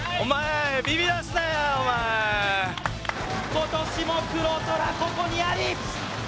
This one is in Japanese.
今年も黒虎ここにあり！